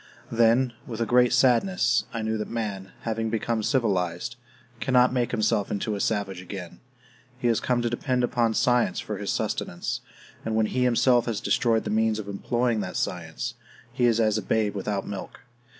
Then, with a great sadness, I knew that man, having become civilized, cannot make himself into a savage again. He has come to depend upon science for his sustenance, and when he himself has destroyed the means of employing that science, he is as a babe without milk.